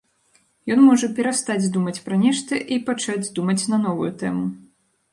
Ён можа перастаць думаць пра нешта і пачаць думаць на новую тэму.